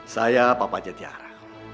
saya bapaknya tiara